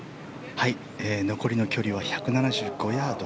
残りの距離は１７５ヤード。